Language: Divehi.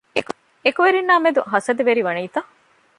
އެކުވެރިންނާ މެދު ހަސަދަވެރި ވަނީތަ؟